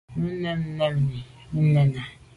Nu mèn nà mi me nène.